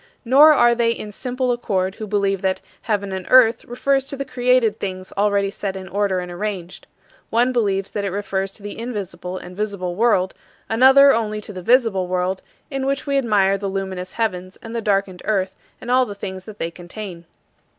Nor are they in simple accord who believe that "heaven and earth" refers to the created things already set in order and arranged. One believes that it refers to the invisible and visible world; another, only to the visible world, in which we admire the luminous heavens and the darkened earth and all the things that they contain.